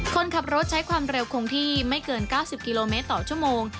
คนขับรถใช้ความเร็วคงที่ไม่เกิน๙๐กิโลเมตรต่อชั่วโมง